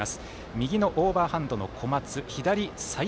右のオーバーハンドの小松。